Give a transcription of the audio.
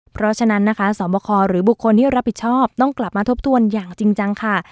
เพราะฉะนั้นนะคะสอบคอหรือบุคคลที่รับผิดชอบต้องกลับมาทบทวนอย่างจริงจังค่ะ